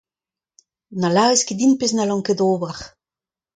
Na lârez ket din pezh n'hallan ket ober.